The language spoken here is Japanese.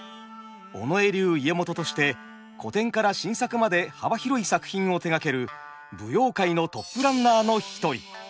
尾上流家元として古典から新作まで幅広い作品を手がける舞踊界のトップランナーの一人。